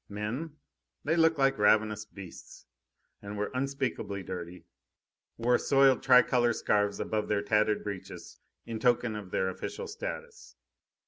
Men? They looked like ravenous beasts, and were unspeakably dirty, wore soiled tricolour scarves above their tattered breeches in token of their official status.